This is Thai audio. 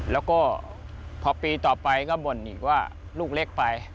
แล้วก็พอปีต่อไปก็บ่นอีกว่าลูกเล็กไป